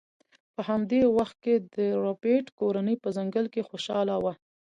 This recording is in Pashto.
په همدې وخت کې د ربیټ کورنۍ په ځنګل کې خوشحاله وه